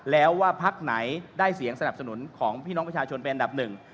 แล้วว่าพักไหนได้เสียงสนับสนุนของพี่น้องประชาชนเป็นอันดับหนึ่ง